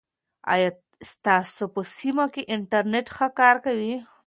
آیا ستاسو په سیمه کې انټرنیټ ښه کار کوي؟